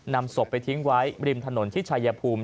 นำศพไปทิ้งไว้ริมถนนที่ชายภูมิ